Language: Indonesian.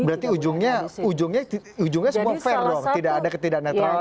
berarti ujungnya ujungnya semua fair dong tidak ada ketidak netralan